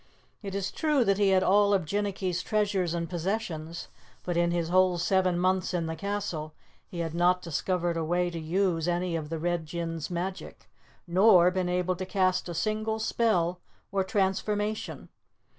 It is true that he had all of Jinnicky's treasures and possessions, but in his whole seven months in the castle he had not discovered a way to use any of the Red Jinn's magic, nor been able to cast a single spell or transformation.